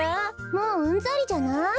もううんざりじゃない？